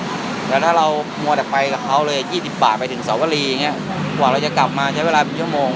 ยี่สิบบาทไปถึงสวรรค์วรีอย่างเงี้ยหวังเราจะกลับมาใช้เวลาเป็นเยี่ยวโมง